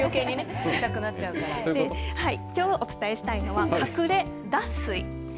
きょうお伝えしたいのはかくれ脱水。